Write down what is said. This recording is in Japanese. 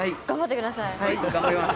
頑張ってください。